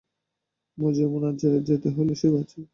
ম্যুজিয়মে না যেতে হলেই সে বাঁচে।